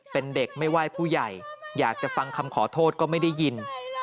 เป็นเด็กไม่ไหว้ผู้ใหญ่อยากจะฟังคำขอโทษก็ไม่ได้ยิน